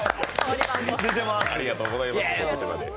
ありがとうございます、告知まで。